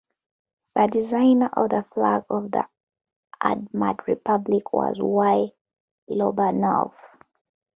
The designer of the flag of the Udmurt Republic was Y. Lobanov.